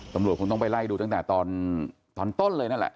ตำรวจคงต้องไปไล่ดูตั้งแต่ตอนต้นเลยนั่นแหละ